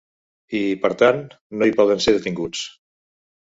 I, per tant, no hi poden ser detinguts.